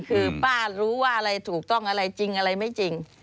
คือป้ารู้ว่าอะไรถูกต้องอะไรจริงอะไรไม่จริง